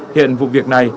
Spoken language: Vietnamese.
hiện vụ việc này